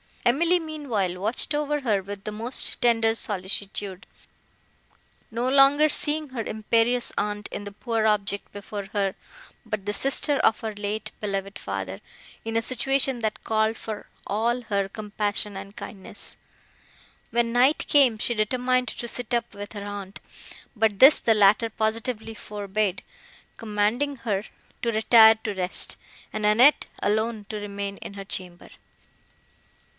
Emily meanwhile watched over her with the most tender solicitude, no longer seeing her imperious aunt in the poor object before her, but the sister of her late beloved father, in a situation that called for all her compassion and kindness. When night came, she determined to sit up with her aunt, but this the latter positively forbade, commanding her to retire to rest, and Annette alone to remain in her chamber.